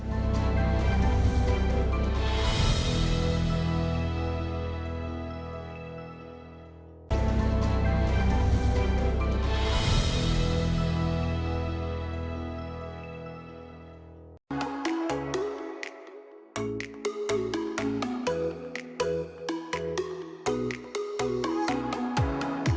masih belum nol